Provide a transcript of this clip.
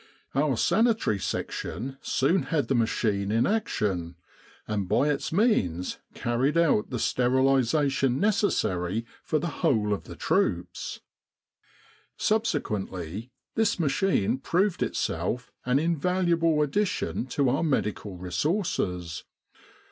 Our Sanitary Section soon had the machine in action, and by its means carried out the sterilisation neces sary for the whole of the troops. Subsequently, this machine proved itself an in valuable addition to our medical resources.